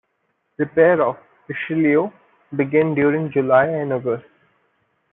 Repair of "Richelieu" began during July and August.